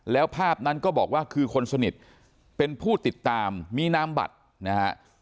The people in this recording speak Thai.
แล้วภาพนั้นก็บอกว่าคือคนสนิทเป็นผู้ติดตามมีนามบัตรนะฮะ